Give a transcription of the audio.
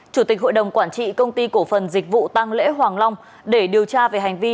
chủ tịch hội đồng quản trị công ty cổ phần dịch vụ tăng lễ hoàng long để điều tra về hành vi